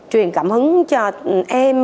truyền cảm hứng cho em